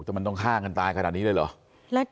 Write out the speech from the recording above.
แต่มันต้องฆ่ากันตายขนาดนี้เลยเหรอ